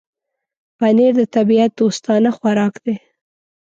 پنېر د طبيعت دوستانه خوراک دی.